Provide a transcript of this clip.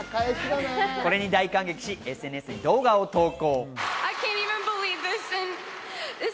これに大感激し、ＳＮＳに動画を投稿。